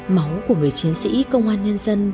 máu của người chiến sĩ công an nhân dân